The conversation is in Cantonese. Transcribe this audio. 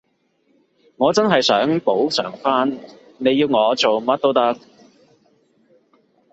我真係想補償返，你要我做乜都得